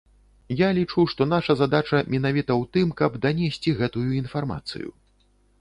Я лічу, што наша задача менавіта ў тым, каб данесці гэтую інфармацыю.